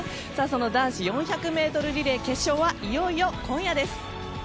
男子４００ｍリレー決勝はいよいよ今夜です。